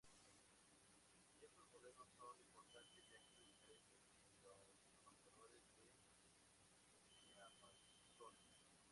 Estos modelos son importantes ya que carecen de los marcadores de diapasón.